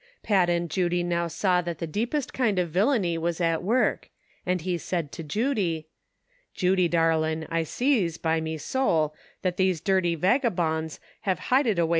Pat and Judy now saw that the deepest kind of villany was at work, and he said to Judy : "Judy, darlin', I sees, be me sowl, that these dirty vag gabones have hided away